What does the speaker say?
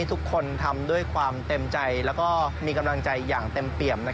ทุกคนทำด้วยความเต็มใจและมีกำลังใจอย่างเต็มเปี่ยม